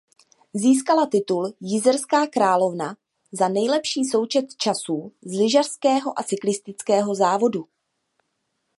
Získala titul Jizerská královna za nejlepší součet časů z lyžařského a cyklistického závodu.